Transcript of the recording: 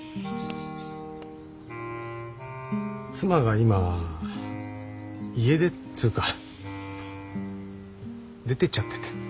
妻が今家出っつうか出ていっちゃってて。